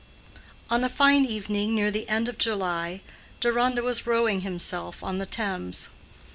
On a fine evening near the end of July, Deronda was rowing himself on the Thames.